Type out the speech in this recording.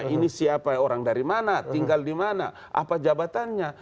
ini siapa orang dari mana tinggal di mana apa jabatannya